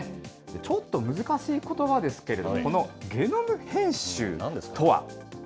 ちょっと難しいことばですけれども、このゲノム編集とは。